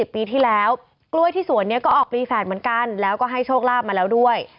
ปีที่แล้วกล้วยที่สวนนี้ก็ออกปีแฝดเหมือนกันแล้วก็ให้โชคลาภมาแล้วด้วย